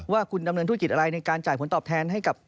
ว่าคุณดำเนินธุรกิจอะไรในการจ่ายผลตอบแทนให้กับ